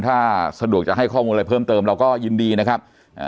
ถ้าสะดวกจะให้ข้อมูลอะไรเพิ่มเติมเราก็ยินดีนะครับอ่า